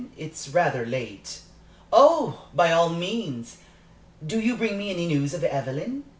It is rather late." "Oh, by all means! Do you bring me any news of Evelyn?